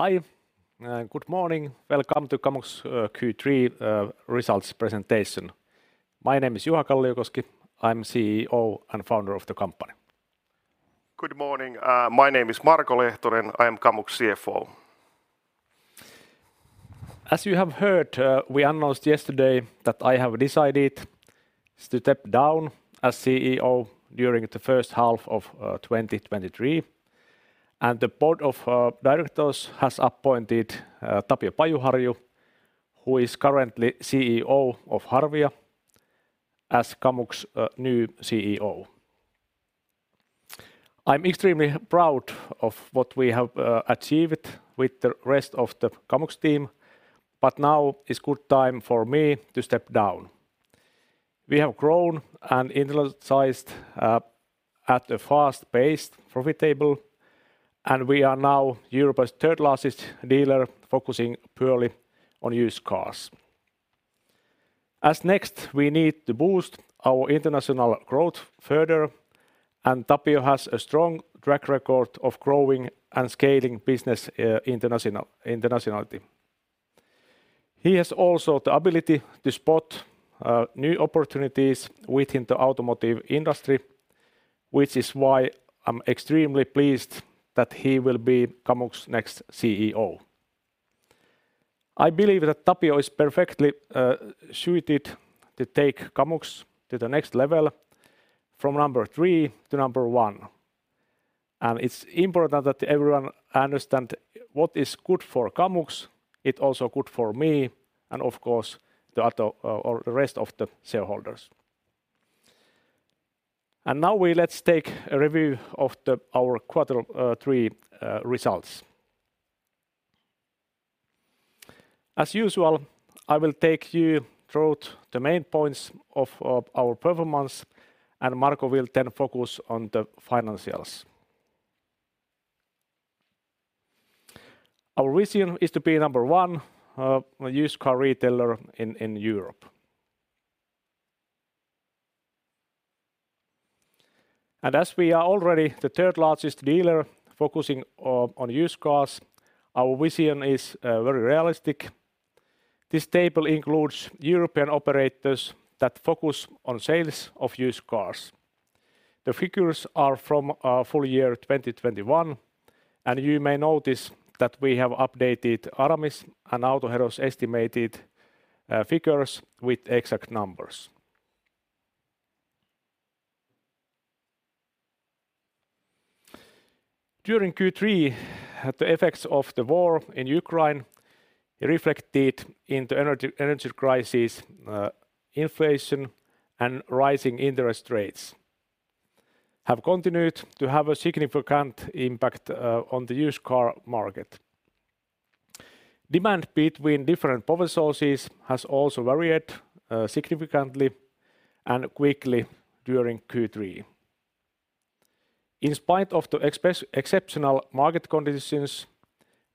Hi, good morning. Welcome to Kamux Q3 Results Presentation. My name is Juha Kalliokoski. I'm CEO and Founder of the company. Good morning. My name is Marko Lehtonen. I am Kamux CFO. As you have heard, we announced yesterday that I have decided to step down as CEO during the first half of 2023, and the board of directors has appointed Tapio Pajuharju, who is currently CEO of Harvia, as Kamux new CEO. I'm extremely proud of what we have achieved with the rest of the Kamux team, but now is good time for me to step down. We have grown and internationalized at a fast-paced, profitable, and we are now Europe's third-largest dealer focusing purely on used cars. As next, we need to boost our international growth further, and Tapio has a strong track record of growing and scaling business internationally. He has also the ability to spot new opportunities within the automotive industry, which is why I'm extremely pleased that he will be Kamux next CEO. I believe that Tapio is perfectly suited to take Kamux to the next level from number three to number one, and it's important that everyone understand what is good for Kamux, it also good for me, and of course, the other or the rest of the shareholders. Now let's take a review of our quarter three results. As usual, I will take you through the main points of our performance, and Marko will then focus on the financials. Our vision is to be number one used car retailer in Europe. As we are already the third-largest dealer focusing on used cars, our vision is very realistic. This table includes European operators that focus on sales of used cars. The figures are from full year 2021, and you may notice that we have updated Aramis and Autohero's estimated figures with exact numbers. During Q3, the effects of the war in Ukraine reflected in the energy crisis, inflation, and rising interest rates, have continued to have a significant impact on the used car market. Demand between different power sources has also varied significantly and quickly during Q3. In spite of the exceptional market conditions,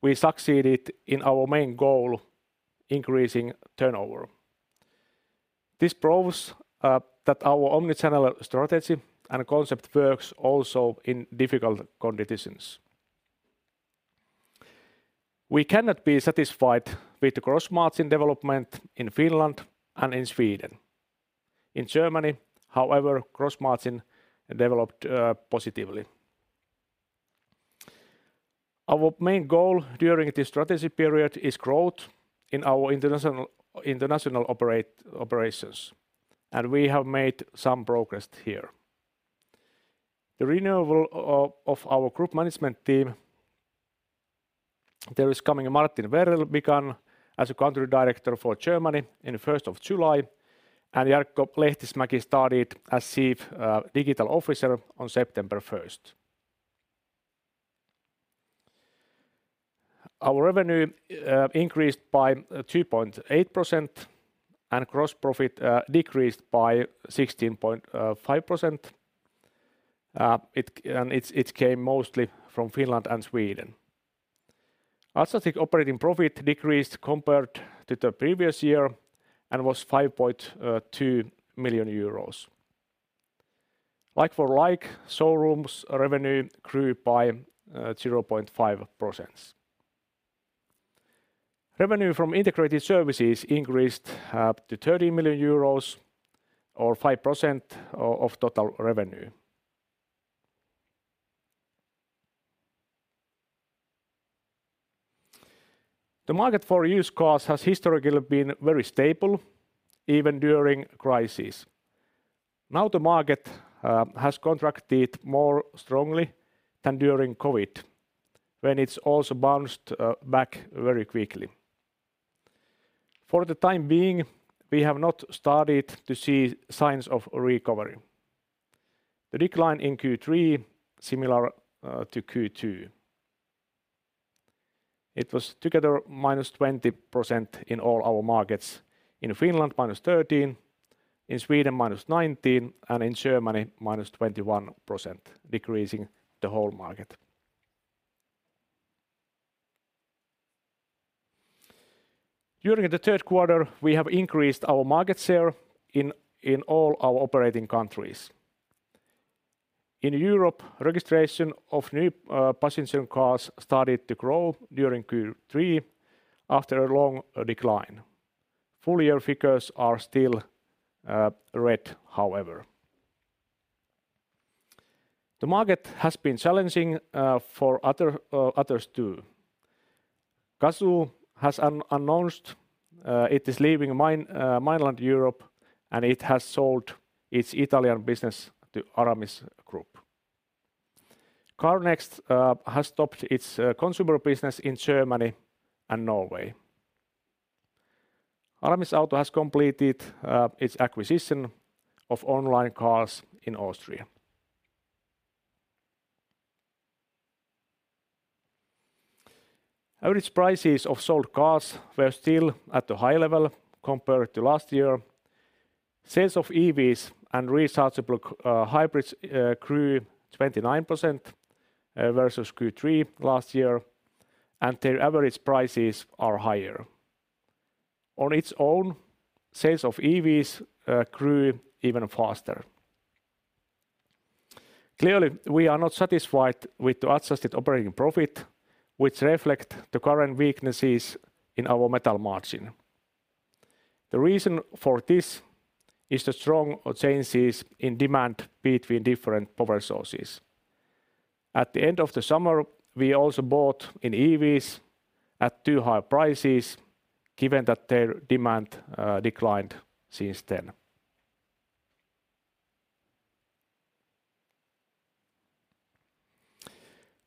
we succeeded in our main goal, increasing turnover. This proves that our omnichannel strategy and concept works also in difficult conditions. We cannot be satisfied with the gross margin development in Finland and in Sweden. In Germany, however, gross margin developed positively. Our main goal during this strategy period is growth in our international operations, and we have made some progress here. The renewal of our group management team, Martin Verrelli began as a Country Director for Germany in the first of July, and Jarkko Lehtismäki started as Chief Digital Officer on September first. Our revenue increased by 2.8%, and gross profit decreased by 16.5%. It came mostly from Finland and Sweden. Also, the operating profit decreased compared to the previous year and was 5.2 million euros. Like-for-like, showrooms revenue grew by 0.5%. Revenue from integrated services increased up to 30 million euros or 5% of total revenue. The market for used cars has historically been very stable, even during crisis. Now, the market has contracted more strongly than during COVID, when it's also bounced back very quickly. For the time being, we have not started to see signs of recovery. The decline in Q3, similar to Q2, it was together -20% in all our markets. In Finland, -13%, in Sweden, -19%, and in Germany, -21%, decreasing the whole market. During the third quarter, we have increased our market share in all our operating countries. In Europe, registration of new passenger cars started to grow during Q3 after a long decline. Full year figures are still red, however. The market has been challenging for others too. Cazoo has announced it is leaving mainland Europe, and it has sold its Italian business to Aramis Group. CarNext has stopped its consumer business in Germany and Norway. Aramis Group has completed its acquisition of Onlinecars in Austria. Average prices of sold cars were still at a high level compared to last year. Sales of EVs and rechargeable hybrids grew 29% versus Q3 last year, and their average prices are higher. On its own, sales of EVs grew even faster. Clearly, we are not satisfied with the adjusted operating profit, which reflect the current weaknesses in our metal margin. The reason for this is the strong changes in demand between different power sources. At the end of the summer, we also bought in EVs at too high prices, given that their demand declined since then.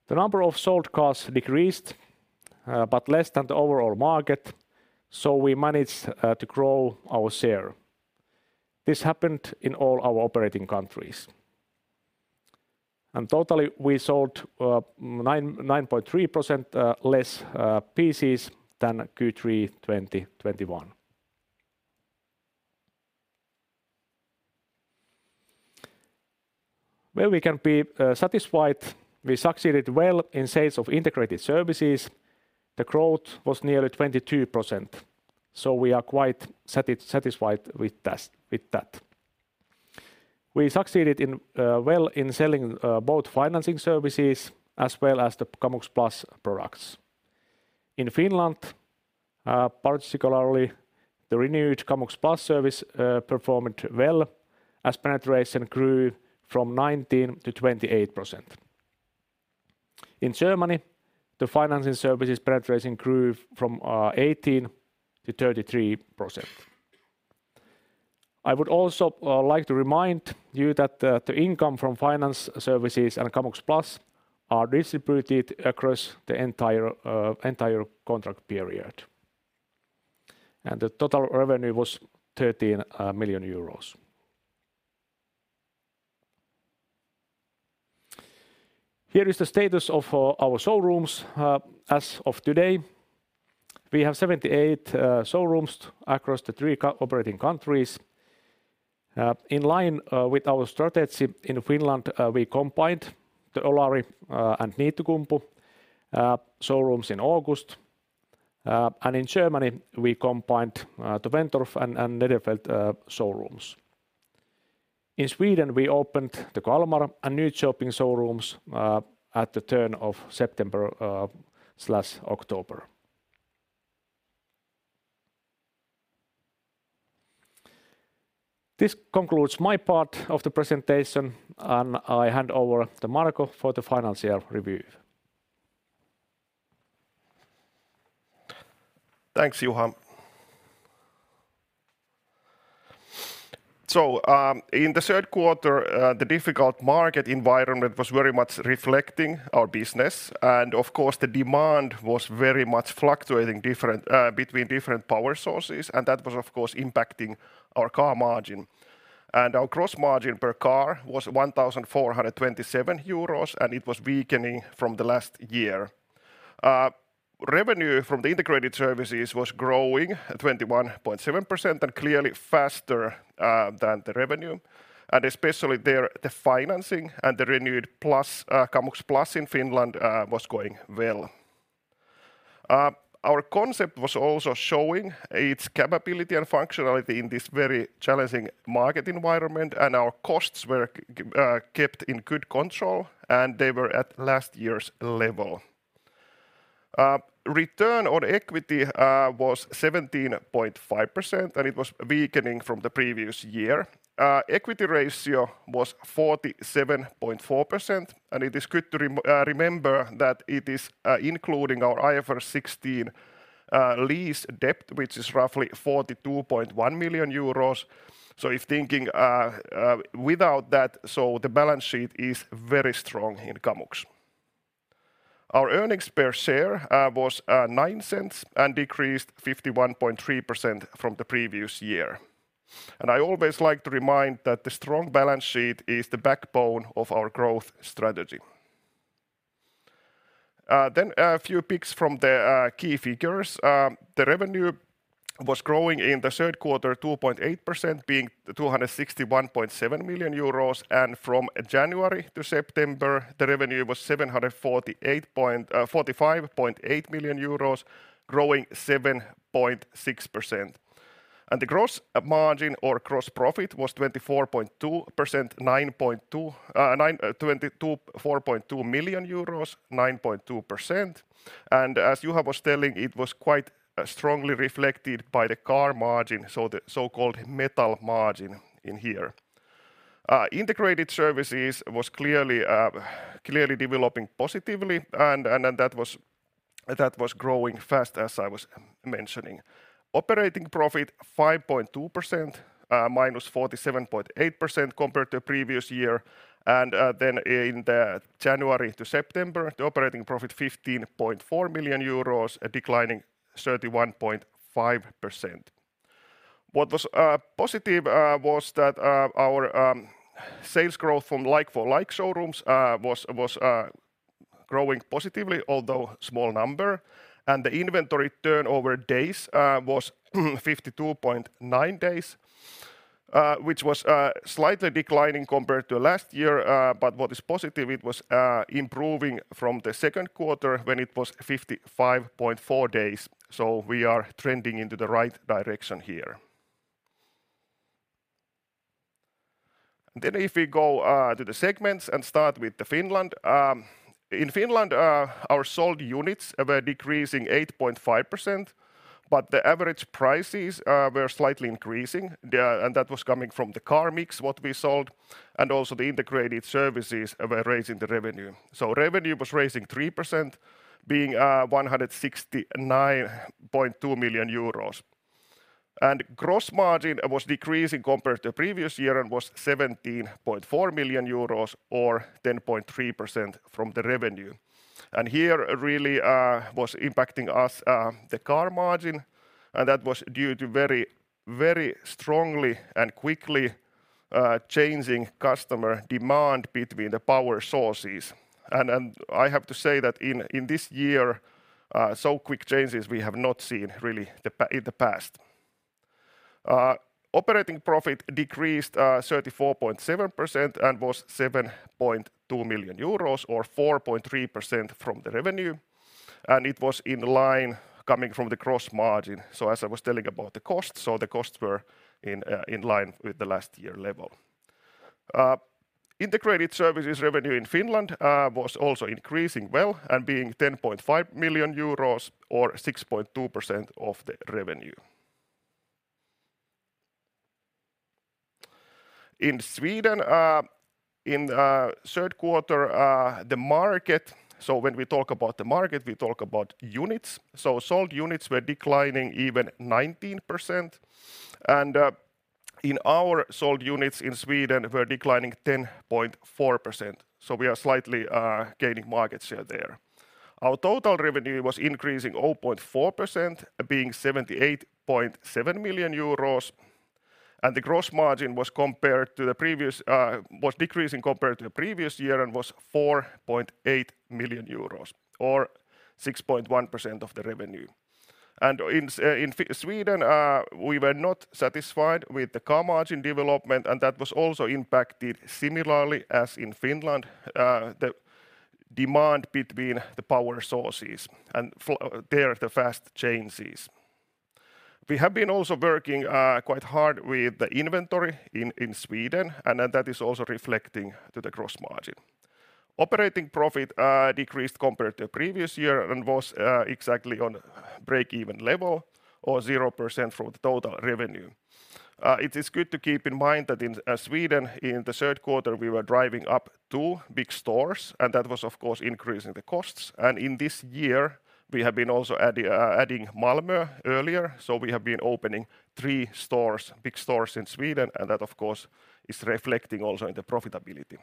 The number of sold cars decreased but less than the overall market, so we managed to grow our share. This happened in all our operating countries. Totally, we sold 9.3% less pieces than Q3 2021. Well, we can be satisfied we succeeded well in sales of integrated services. The growth was nearly 22%. We are quite satisfied with that. We succeeded well in selling both financing services as well as the Kamux Plus products. In Finland particularly, the renewed Kamux Plus service performed well as penetration grew from 19%-28%. In Germany, the financing services penetration grew from 18%-33%. I would also like to remind you that the income from finance services and Kamux Plus are distributed across the entire contract period. The total revenue was 13 million euros. Here is the status of our showrooms. As of today, we have 78 showrooms across the three co-operating countries. In line with our strategy in Finland, we combined the Olari and Niittykumpu showrooms in August. In Germany, we combined the Wentorf and Nedderfeld showrooms. In Sweden, we opened the Kalmar and Nyköping showrooms at the turn of September slash October. This concludes my part of the presentation, and I hand over to Marko for the financial review. Thanks, Juha. In the third quarter, the difficult market environment was very much reflecting our business. Of course, the demand was very much fluctuating different between different power sources, and that was, of course, impacting our car margin. Our gross margin per car was 1,427 euros, and it was weakening from the last year. Revenue from the integrated services was growing at 21.7% and clearly faster than the revenue. Especially there, the financing and the renewed Kamux Plus in Finland was going well. Our concept was also showing its capability and functionality in this very challenging market environment, and our costs were kept in good control, and they were at last year's level. Return on equity was 17.5%, and it was weakening from the previous year. Equity ratio was 47.4%, and it is good to remember that it is including our IFRS 16 lease debt, which is roughly 42.1 million euros. If thinking without that, so the balance sheet is very strong in Kamux. Our earnings per share was 0.09 and decreased 51.3% from the previous year. I always like to remind that the strong balance sheet is the backbone of our growth strategy. A few picks from the key figures. The revenue was growing in the third quarter 2.8% being 261.7 million euros, and from January to September, the revenue was 745.8 million euros growing 7.6%. And the gross margin or gross profit was 24.2%, EUR 4.2 million, 9.2%. And as Juha was telling, it was quite strongly reflected by the car margin, so the so-called metal margin in here. Integrated services was clearly developing positively and that was, that was growing fast as I was mentioning. Operating profit 5.2%, -47.8% compared to previous year. In the January to September, the operating profit 15.4 million euros, declining 31.5%. What was positive was that our sales growth from like-for-like showrooms was growing positively, although small number. The inventory turnover days was 52.9 days, which was slightly declining compared to last year, but what is positive, it was improving from the second quarter when it was 55.4 days. We are trending into the right direction here. If we go to the segments and start with the Finland. In Finland, our sold units were decreasing 8.5%, but the average prices were slightly increasing. That was coming from the car mix, what we sold, and also the integrated services were raising the revenue. Revenue was raising 3%, being 169.2 million euros. Gross margin was decreasing compared to the previous year and was 17.4 million euros or 10.3% from the revenue. Here really was impacting us the car margin, and that was due to very strongly and quickly changing customer demand between the power sources. I have to say that in this year, so quick changes we have not seen really in the past. Operating profit decreased 34.7% and was 7.2 million euros or 4.3% from the revenue. It was in line coming from the gross margin. As I was telling about the costs, the costs were in line with the last year level. Integrated services revenue in Finland was also increasing well and being 10.5 million euros or 6.2% of the revenue. In Sweden, in third quarter, the market, so when we talk about the market, we talk about units. Sold units were declining even 19%. In our sold units in Sweden were declining 10.4%, so we are slightly gaining market share there. Our total revenue was increasing 0.4%, being 78.7 million euros, and the gross margin was decreasing compared to the previous year and was 4.8 million euros or 6.1% of the revenue. In Sweden, we were not satisfied with the car margin development, and that was also impacted similarly as in Finland, the demand between the power sources and there, the fast changes. We have been also working quite hard with the inventory in Sweden, and that is also reflecting to the gross margin. Operating profit decreased compared to the previous year and was exactly on break-even level or 0% for the total revenue. It is good to keep in mind that in Sweden, in the third quarter, we were driving up two big stores, and that was of course increasing the costs. In this year, we have been also adding Malmö earlier. We have been opening three stores, big stores in Sweden, and that of course is reflecting also in the profitability.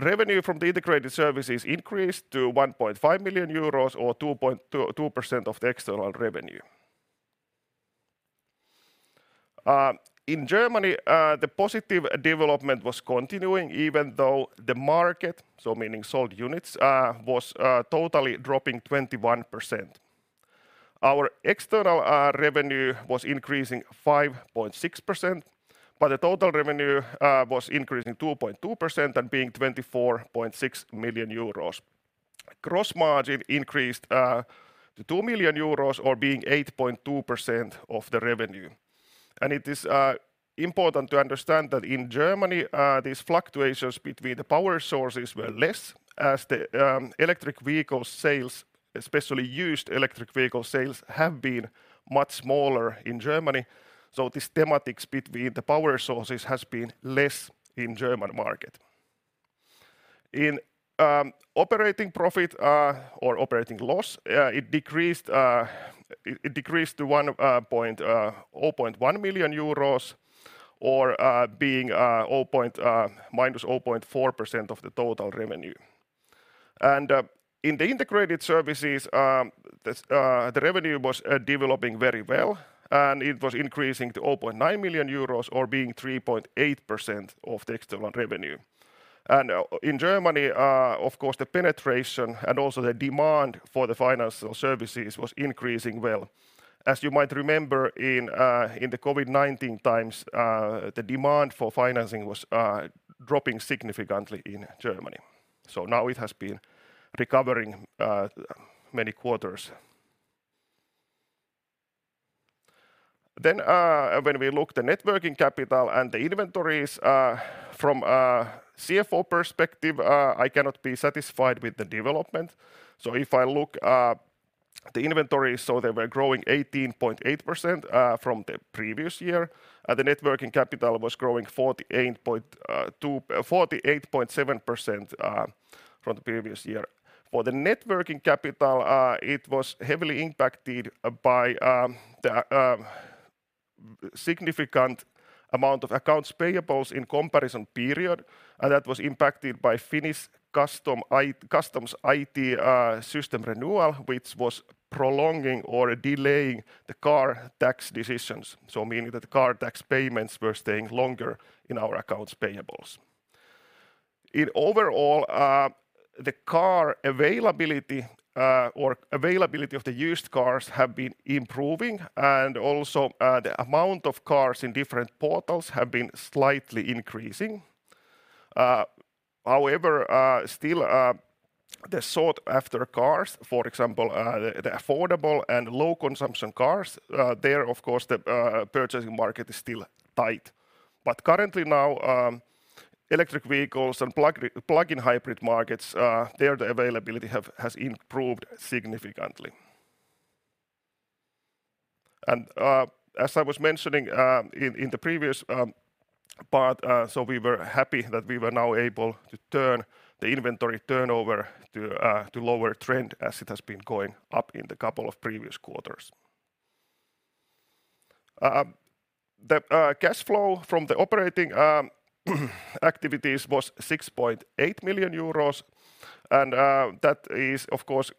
Revenue from the integrated services increased to 1.5 million euros or 2.2% of the external revenue. In Germany, the positive development was continuing even though the market, so meaning sold units, was totally dropping 21%. Our external revenue was increasing 5.6%, but the total revenue was increasing 2.2% and being 24.6 million euros. Gross margin increased to 2 million euros or being 8.2% of the revenue. It is important to understand that in Germany, these fluctuations between the power sources were less as the electric vehicle sales, especially used electric vehicle sales, have been much smaller in Germany. This thematics between the power sources has been less in German market. In operating profit or operating loss, it decreased to 0.1 million euros or being -0.4% of the total revenue. In the integrated services, the revenue was developing very well, and it was increasing to 0.9 million euros or being 3.8% of the external revenue. In Germany, of course, the penetration and also the demand for the financial services was increasing well. As you might remember in the COVID-19 times, the demand for financing was dropping significantly in Germany. Now it has been recovering many quarters. When we look the net working capital and the inventories from a CFO perspective, I cannot be satisfied with the development. If I look the inventory, so they were growing 18.8% from the previous year. The net working capital was growing 48.7% from the previous year. For the net working capital, it was heavily impacted by the significant amount of accounts payables in comparison period, and that was impacted by Finnish customs I.T. system renewal, which was prolonging or delaying the car tax decisions, meaning that the car tax payments were staying longer in our accounts payables. In overall, the car availability or availability of the used cars have been improving, and also the amount of cars in different portals have been slightly increasing. However, still the sought-after cars, for example, the affordable and low consumption cars, there, of course, the purchasing market is still tight. Currently now, electric vehicles and plug-in hybrid markets, there, the availability has improved significantly. As I was mentioning in the previous part, we were happy that we were now able to turn the inventory turnover to lower trend as it has been going up in the couple of previous quarters. The cash flow from the operating activities was 6.8 million euros and that is of course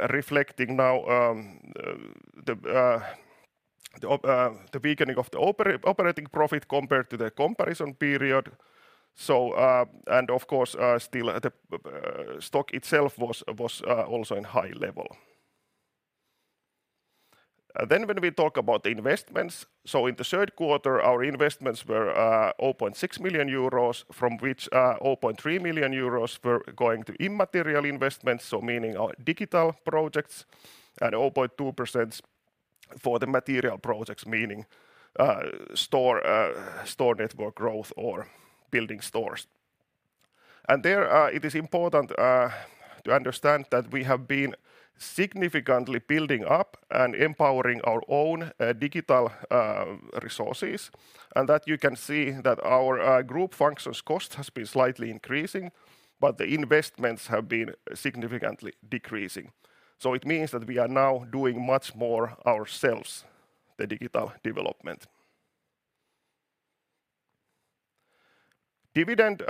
reflecting now the weakening of the operating profit compared to the comparison period. Of course still the stock itself was also in high level. When we talk about the investments, so in the third quarter, our investments were 0.6 million euros, from which 0.3 million euros were going to immaterial investments, so meaning our digital projects, and 0.2% for the material projects, meaning store network growth or building stores. There, it is important to understand that we have been significantly building up and empowering our own digital resources, and that you can see that our group functions cost has been slightly increasing, but the investments have been significantly decreasing. It means that we are now doing much more ourselves, the digital development. Dividend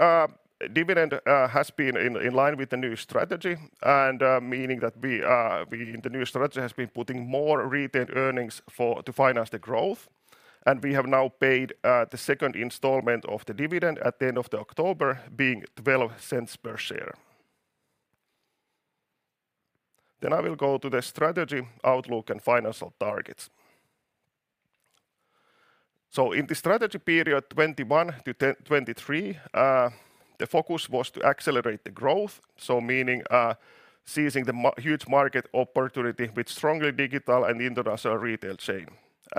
has been in line with the new strategy and meaning that we in the new strategy has been putting more retained earnings to finance the growth. We have now paid the second installment of the dividend at the end of the October being 0.12 per share. I will go to the strategy outlook and financial targets. In the strategy period 2021-2023, the focus was to accelerate the growth, so meaning seizing the huge market opportunity with strongly digital and international retail chain.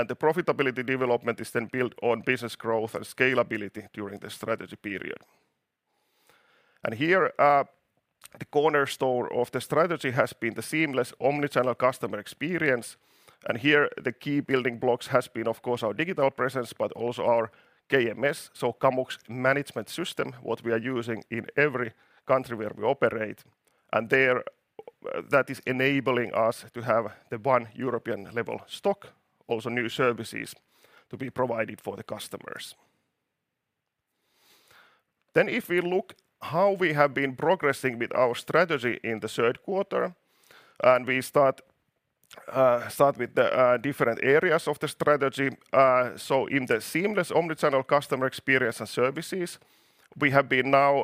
The profitability development is then built on business growth and scalability during the strategy period. Here, the cornerstone of the strategy has been the seamless omnichannel customer experience. Here, the key building blocks has been, of course, our digital presence, but also our KMS, so Kamux Management System, what we are using in every country where we operate. There, that is enabling us to have the one European-level stock, also new services to be provided for the customers. If we look how we have been progressing with our strategy in the third quarter, and we start with the different areas of the strategy. In the seamless omnichannel customer experience and services, we have been now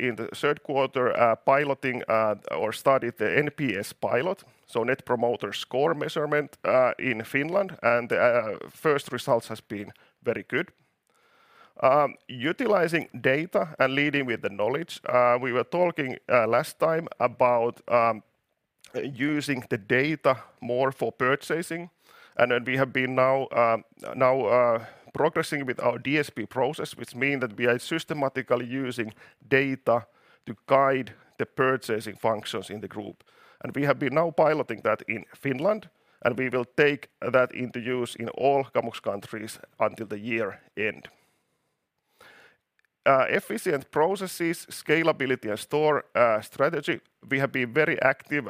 in the third quarter piloting or started the NPS pilot, so Net Promoter Score measurement in Finland, and the first results has been very good. Utilizing data and leading with the knowledge, we were talking last time about using the data more for purchasing. We have been now progressing with our DSP process, which mean that we are systematically using data to guide the purchasing functions in the group. We have been now piloting that in Finland, and we will take that into use in all Kamux countries until the year-end. Efficient processes, scalability and store strategy. We have been very active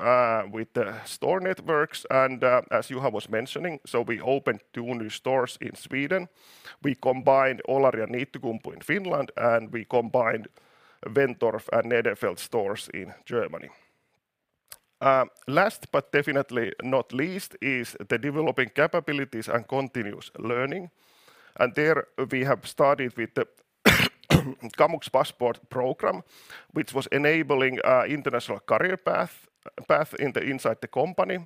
with the store networks and, as Juha was mentioning, so we opened two new stores in Sweden. We combined Olari and Niittykumpu in Finland, and we combined Wentorf and Nedderfeld stores in Germany. Last but definitely not least is the developing capabilities and continuous learning. There we have started with the Kamux Passport program, which was enabling international career path inside the company.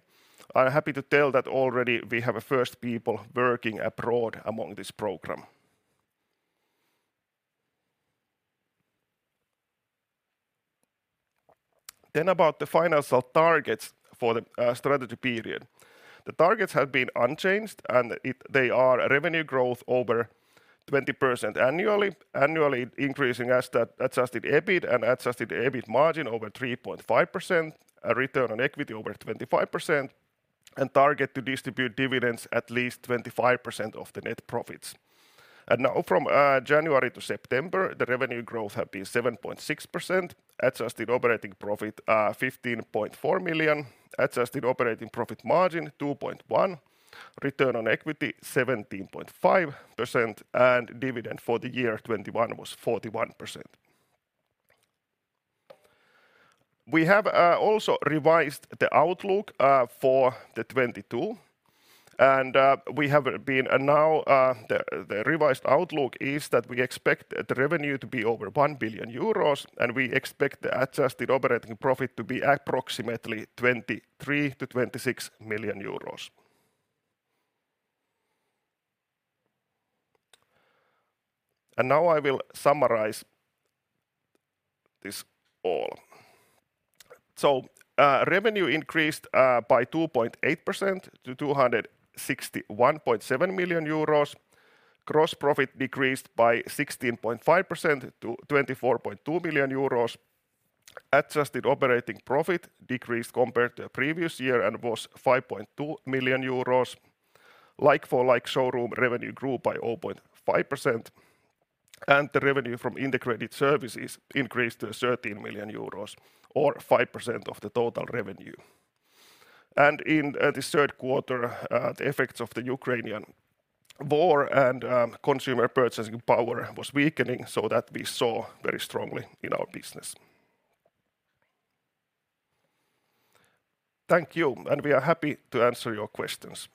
I'm happy to tell that already we have a first people working abroad among this program. About the financial targets for the strategy period. The targets have been unchanged, and they are revenue growth over 20% annually increasing absolute adjusted EBIT and adjusted EBIT margin over 3.5%, a return on equity over 25%, and target to distribute dividends at least 25% of the net profits. Now from January to September, the revenue growth had been 7.6%, adjusted operating profit 15.4 million, adjusted operating profit margin 2.1%, return on equity 17.5%, and dividend for the year 2021 was 41%. We have also revised the outlook for the 2022. Now the revised outlook is that we expect the revenue to be over 1 billion euros, and we expect the adjusted operating profit to be approximately 23 million-26 million euros. Now I will summarize this all. Revenue increased by 2.8% to 261.7 million euros. Gross profit decreased by 16.5% to 24.2 million euros. Adjusted operating profit decreased compared to previous year and was 5.2 million euros. Like-for-like showroom revenue grew by 0.5%, and the revenue from integrated services increased to 13 million euros or 5% of the total revenue. In the third quarter, the effects of the Ukrainian war and consumer purchasing power was weakening, so that we saw very strongly in our business. Thank you, and we are happy to answer your questions.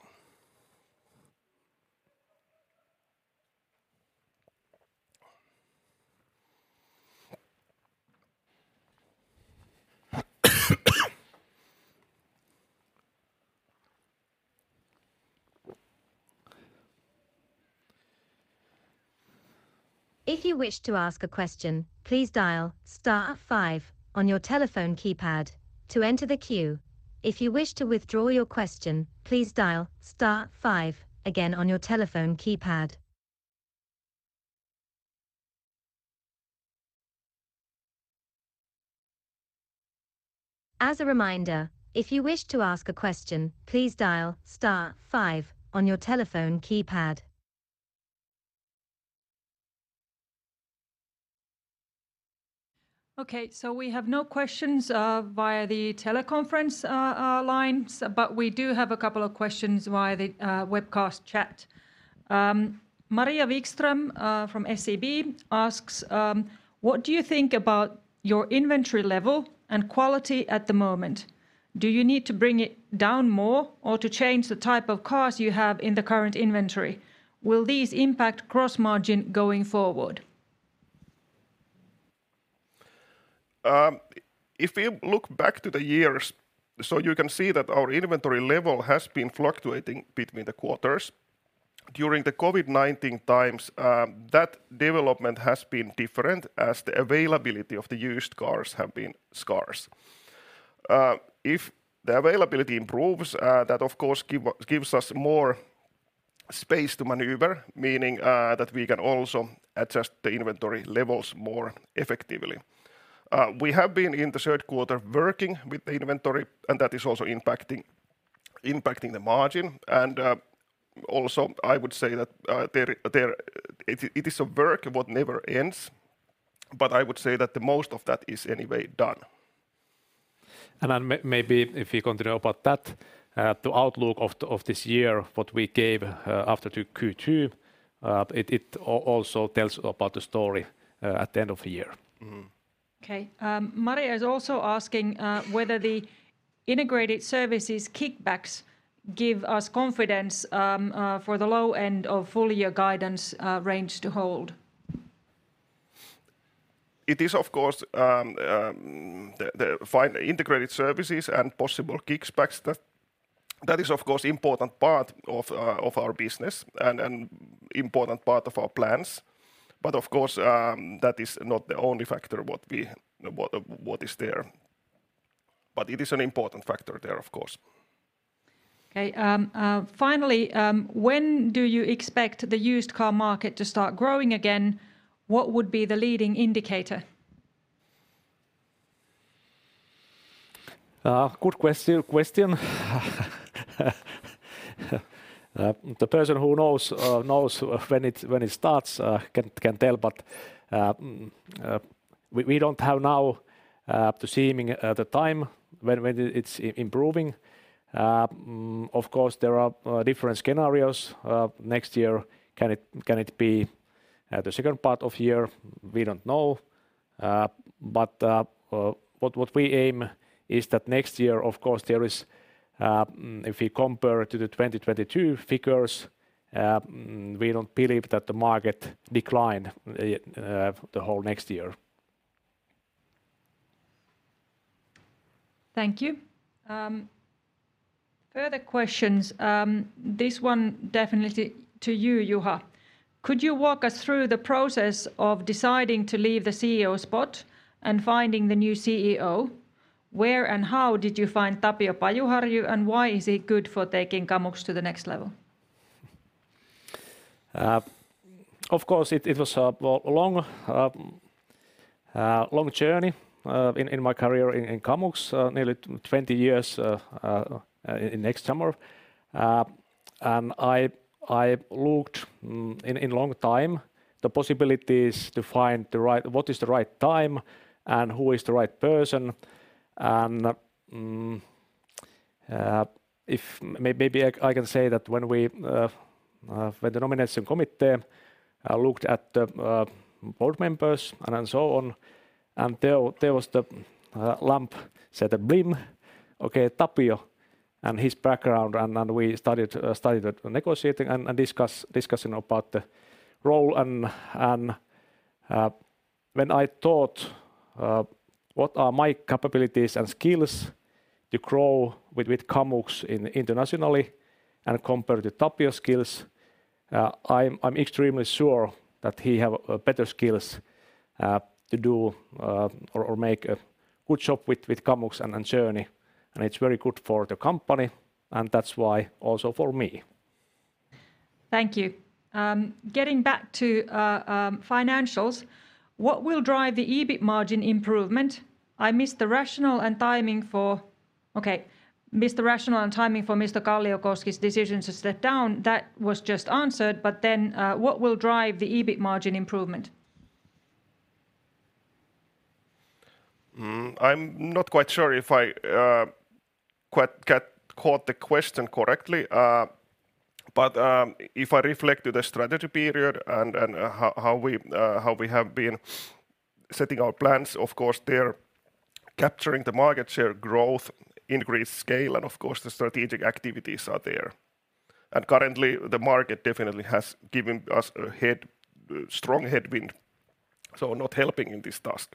If you wish to ask a question, please dial star five on your telephone keypad to enter the queue. If you wish to withdraw your question, please dial star five again on your telephone keypad. As a reminder, if you wish to ask a question, please dial star five on your telephone keypad. Okay, we have no questions via the teleconference lines, but we do have a couple of questions via the webcast chat. Maria Wikström from SEB asks, "What do you think about your inventory level and quality at the moment? Do you need to bring it down more or to change the type of cars you have in the current inventory? Will these impact gross margin going forward? If you look back to the years, so you can see that our inventory level has been fluctuating between the quarters. During the COVID-19 times, that development has been different as the availability of the used cars have been scarce. If the availability improves, that of course gives us more space to maneuver, meaning that we can also adjust the inventory levels more effectively. We have been, in the third quarter, working with the inventory, and that is also impacting the margin. Also, I would say that it is a work what never ends, but I would say that the most of that is anyway done. Maybe if we continue about that, the outlook of this year, what we gave after the Q2, it also tells about the story at the end of the year. Mm-hmm. Okay. Maria is also asking whether the integrated services kickbacks give us confidence for the low end of full-year guidance range to hold. It is of course the integrated services and possible kickbacks that is of course important part of our business and important part of our plans. Of course, that is not the only factor what is there. It is an important factor there, of course. Okay. Finally, when do you expect the used car market to start growing again? What would be the leading indicator? Good question. The person who knows when it starts can tell. We don't have now the timing, the time when it's improving. Of course, there are different scenarios. Next year, can it be at the second part of year, we don't know. What we aim is that next year, of course, there is, if we compare to the 2022 figures, we don't believe that the market decline the whole next year. Thank you. Further questions, this one definitely to you, Juha. Could you walk us through the process of deciding to leave the CEO spot and finding the new CEO? Where and how did you find Tapio Pajuharju, and why is he good for taking Kamux to the next level? Of course it was a, well, a long journey in my career in Kamux, nearly 20 years in next summer. I looked in long time the possibilities to find the right, what is the right time and who is the right person, and if maybe I can say that when the nomination committee looked at the board members and so on, and there was the lamp said a blim. Okay, Tapio and his background, and we started negotiating and discussing about the role. When I thought what are my capabilities and skills to grow with Kamux internationally and compare to Tapio's skills, I'm extremely sure that he have better skills to do or make a good job with Kamux and journey, and it's very good for the company, and that's why also for me. Thank you. Getting back to financials, what will drive the EBIT margin improvement? Missed the rationale and timing for Mr. Kalliokoski's decision to step down. That was just answered. What will drive the EBIT margin improvement? I'm not quite sure if I quite caught the question correctly. If I reflect to the strategy period and how we have been setting our plans, of course, they're capturing the market share growth, increased scale, and of course the strategic activities are there. Currently, the market definitely has given us a strong headwind, so not helping in this task.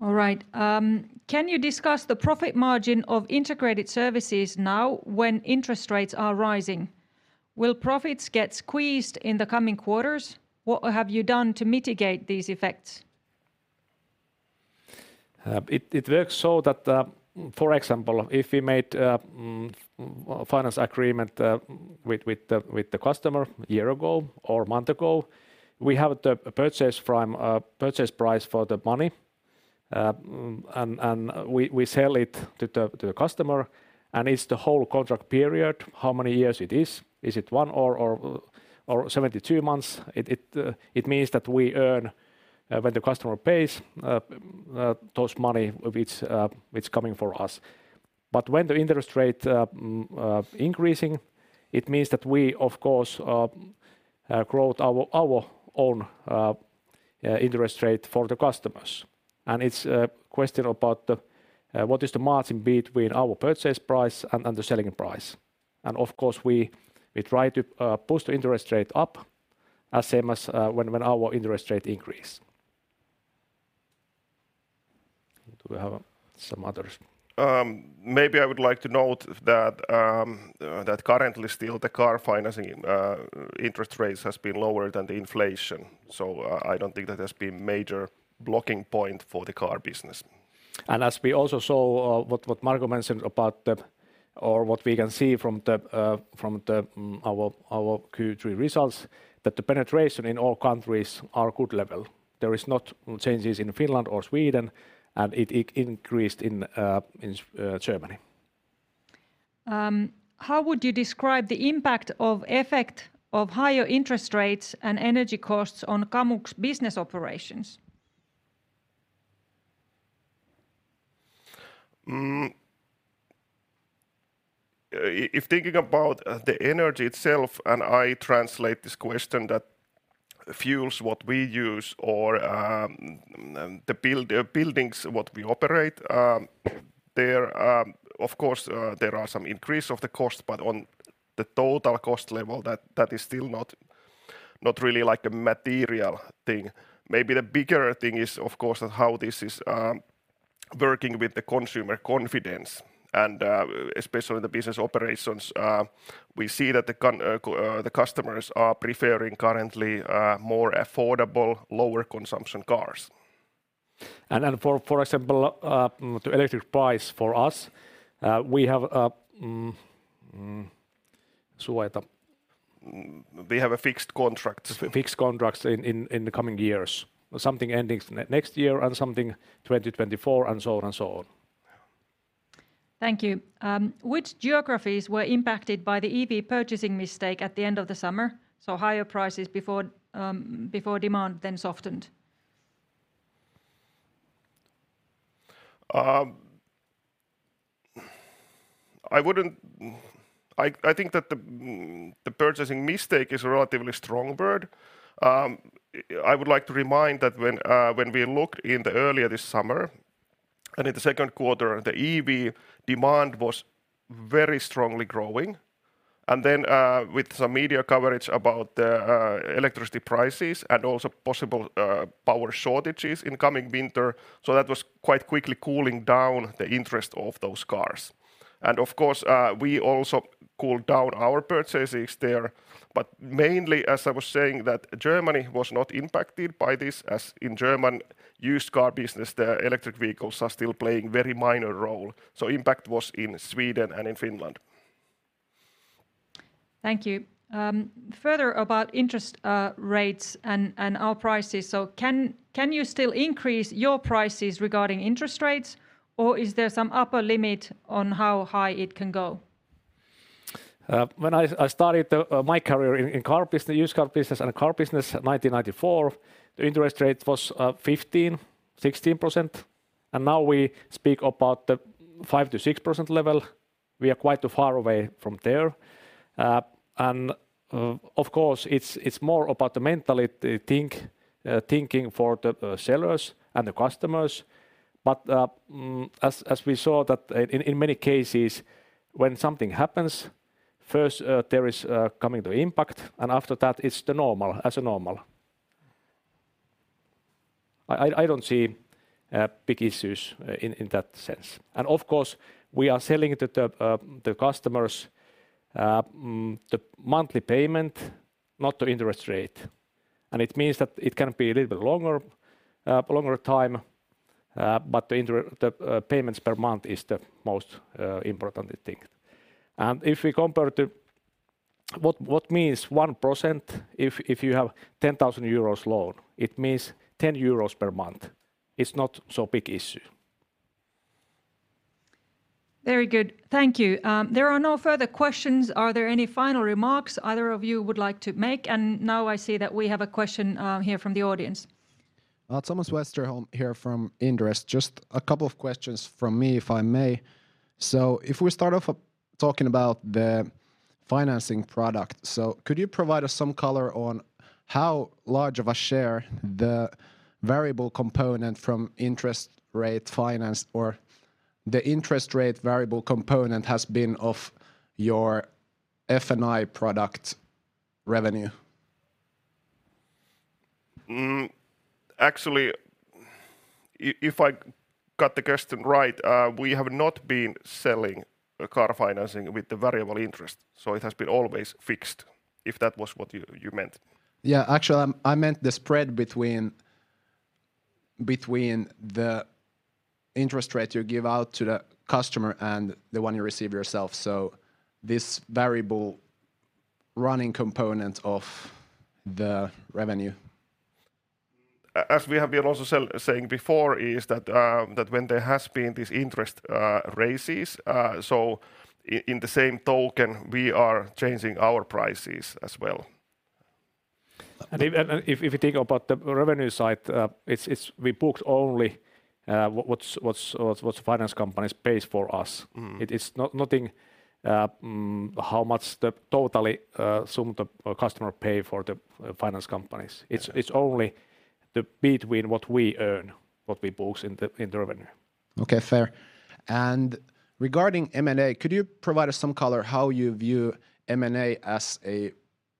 All right. Can you discuss the profit margin of integrated services now when interest rates are rising? Will profits get squeezed in the coming quarters? What have you done to mitigate these effects? It works so that, for example, if we made finance agreement with the customer a year ago or a month ago, we have the purchase price for the money, and we sell it to the customer, and it's the whole contract period, how many years it is. Is it one or 72 months? It means that we earn when the customer pays those money which coming for us. When the interest rate increasing, it means that we of course grow our own interest rate for the customers. It's a question about what is the margin between our purchase price and the selling price. Of course we try to push the interest rate up as same as when our interest rate increase. Do we have some others? Maybe I would like to note that currently still the car financing interest rates has been lower than the inflation. I don't think that has been major blocking point for the car business. As we also saw what Marko mentioned about or what we can see from our Q3 results, that the penetration in all countries are good level. There is not changes in Finland or Sweden, and it increased in Germany. How would you describe the effect of higher interest rates and energy costs on Kamux business operations? If thinking about the energy itself, and I translate this question that fuels what we use or the buildings what we operate, there, of course, there are some increase of the cost, but on the total cost level, that is still not really like a material thing. Maybe the bigger thing is, of course, how this is working with the consumer confidence and especially the business operations. We see that the customers are preferring currently more affordable, lower consumption cars. For example, the electric price for us. We have a fixed contract. Fixed contracts in the coming years, something ending next year and something 2024, and so on. Thank you. Which geographies were impacted by the EV purchasing mistake at the end of the summer, so higher prices before demand then softened? I think that the purchasing mistake is a relatively strong word. I would like to remind that when we looked in earlier this summer and in the second quarter, the EV demand was very strongly growing. With some media coverage about the electricity prices and also possible power shortages in coming winter, so that was quite quickly cooling down the interest of those cars. Of course, we also cooled down our purchases there. Mainly, as I was saying, that Germany was not impacted by this, as in German used car business, the electric vehicles are still playing very minor role. Impact was in Sweden and in Finland. Thank you. Further about interest rates and our prices. Can you still increase your prices regarding interest rates, or is there some upper limit on how high it can go? When I started my career in used car business and car business, 1994, the interest rate was 15%-16%, and now we speak about the 5%-6% level. We are quite far away from there. Of course, it's more about the mentally, the thinking for the sellers and the customers. As we saw that in many cases, when something happens, first there is coming the impact, and after that it's the normal, as a normal. I don't see big issues in that sense. Of course, we are selling to the customers the monthly payment, not the interest rate. And it means that it can be a little bit longer time, but the payments per month is the most important thing. And if we compare to what means 1%, if you have 10,000 euros loan, it means 10 euros per month. It's not so big issue. Very good. Thank you. There are no further questions. Are there any final remarks either of you would like to make? Now I see that we have a question here from the audience. Thomas Westerholm here from Inderes. Just a couple of questions from me, if I may. If we start off talking about the financing product, could you provide us some color on how large of a share the variable component from interest rate finance or the interest rate variable component has been of your F&I product revenue? Actually, if I got the question right, we have not been selling a car financing with the variable interest, so it has been always fixed, if that was what you meant. Yeah. Actually, I meant the spread between the interest rate you give out to the customer and the one you receive yourself, so this variable running component of the revenue. As we have been also saying before is that when there has been this interest rates, so in the same token, we are changing our prices as well. If you think about the revenue side, we book only what's finance companies pays for us. It is nothing, how much the total sum the customer pay for the finance companies. Yeah. It's only between what we earn, what we book in the revenue. Okay. Fair. Regarding M&A, could you provide us some color how you view M&A as a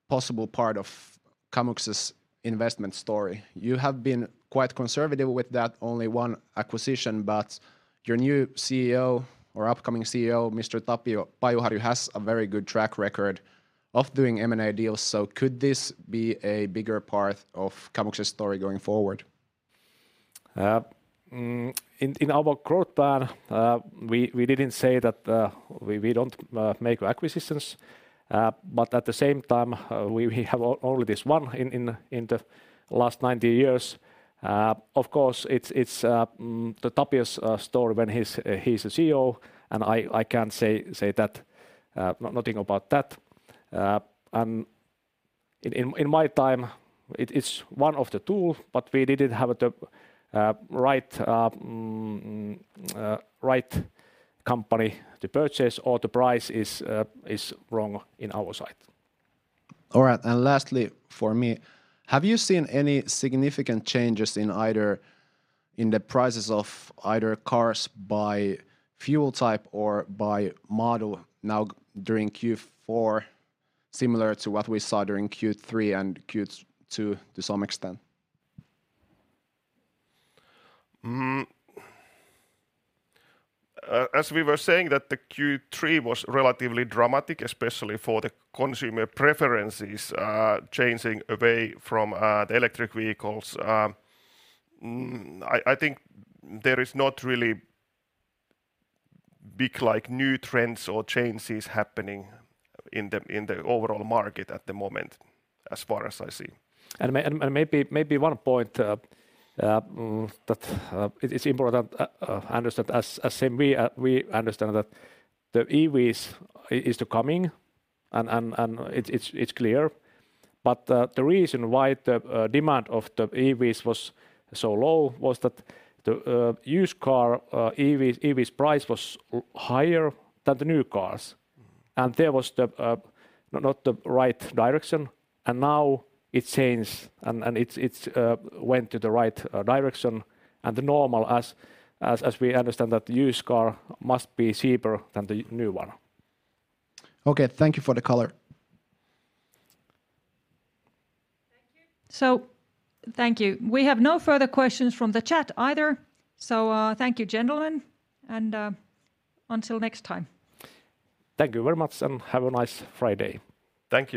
possible part of Kamux's investment story? You have been quite conservative with that, only one acquisition, but your new CEO, or upcoming CEO, Mr. Tapio Pajuharju, has a very good track record of doing M&A deals. Could this be a bigger part of Kamux's story going forward? In our growth plan, we didn't say that we don't make acquisitions. At the same time, we have only this one in the last 90 years. Of course, it's the Tapio's story when he's a CEO, and I can't say that nothing about that. In my time, it is one of the tools, but we didn't have the right company to purchase or the price is wrong in our side. All right. Lastly for me, have you seen any significant changes in the prices of either cars by fuel type or by model now during Q4, similar to what we saw during Q3 and Q2 to some extent? As we were saying that the Q3 was relatively dramatic, especially for the consumer preferences changing away from the electric vehicles, I think there is not really big, like, new trends or changes happening in the overall market at the moment as far as I see. Maybe one point that it is important understand as same we understand that the EVs is the coming and it's clear, but the reason why the demand of the EVs was so low was that the used car EV's price was higher than the new cars. There was the not the right direction, and now it change, and it's went to the right direction, and the normal as we understand that used car must be cheaper than the new one. Okay. Thank you for the color. Thank you. We have no further questions from the chat either, so thank you, gentlemen, and until next time. Thank you very much, and have a nice Friday. Thank you.